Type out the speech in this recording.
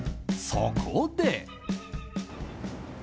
そこで。